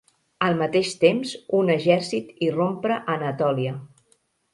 Al mateix temps, un exèrcit irrompre a Anatòlia.